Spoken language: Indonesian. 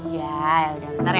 iya yaudah ntar ya